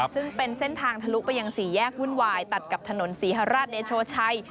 ซึ่งเป็นเส้นทางทะลุไปยังสี่แยกวุ่นวายตัดกับถนนศรีฮราชเดโชชัย